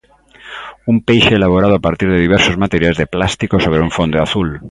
Un peixe elaborado a partir de diversos materiais de plástico sobre un fondo azul.